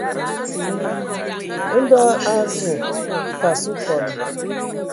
Ndɔ a azu fas okɔn.